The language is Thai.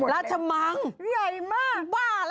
ราชมังบ้าเหรอใหญ่มาก